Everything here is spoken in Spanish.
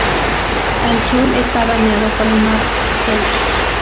Al sur está bañado por el Mar Celta.